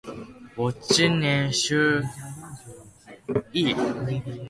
El cuartel general se localiza en la quinta dimensión.